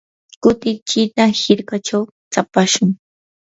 kutichita hirkachaw tsapashun.